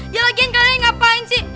ya lagian kalian ngapain sih